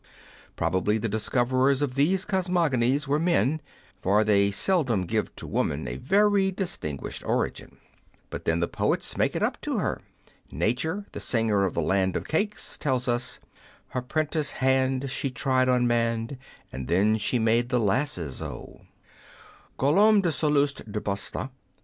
Probably the discoverers' of these cosmogonies were men, for they seldom give to woman a very distinguished origin. But then the poets make it up to her. Nature, the singer of the Land of Cakes tells us, Her 'prentice hand she tried on man, And then she made the lasses, O. Guillaume de Salluste du Bastas (b.